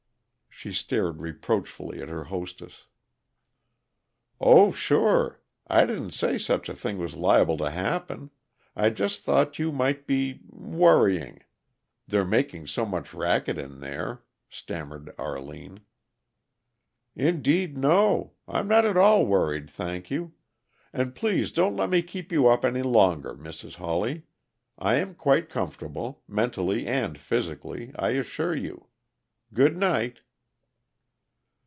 She stared reproachfully at her hostess. "Oh, sure! I didn't say such a thing was liable to happen. I just thought you might be worrying they're making so much racket in there," stammered Arline. "Indeed, no. I'm not at all worried, thank you. And please don't let me keep you up any longer, Mrs. Hawley. I am quite comfortable mentally and physically, I assure you. Good night."